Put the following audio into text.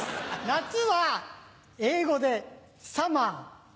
夏は英語でサマー。